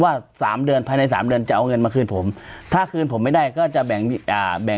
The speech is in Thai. ว่าสามเดือนภายในสามเดือนจะเอาเงินมาคืนผมถ้าคืนผมไม่ได้ก็จะแบ่งอ่าแบ่ง